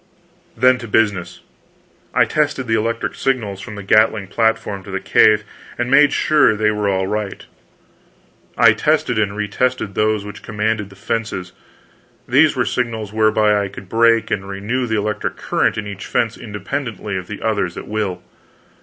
Then, to business. I tested the electric signals from the gatling platform to the cave, and made sure that they were all right; I tested and retested those which commanded the fences these were signals whereby I could break and renew the electric current in each fence independently of the others at will.